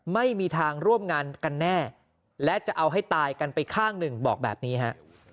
ไม่มีทางร่วมงานกันแน่และจะเอาให้ตายกันไปข้างหนึ่งบอกแบบนี้ฮะ